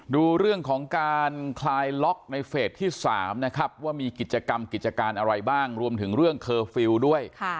ดูเรื่องของการคลายล็อกในเฟสที่๓นะครับว่ามีกิจกรรมกิจการอะไรบ้างรวมถึงเรื่องเคอร์ฟิลล์ด้วย